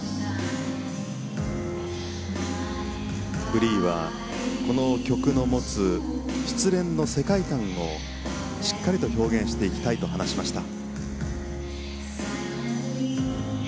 フリーはこの曲の持つ失恋の世界観をしっかりと表現していきたいと話しました。